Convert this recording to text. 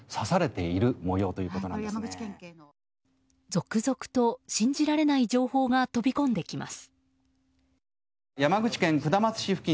続々と、信じられない情報が飛び込んできます。